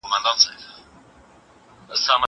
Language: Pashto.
هغه څوک چي لوبه کوي خوشاله وي.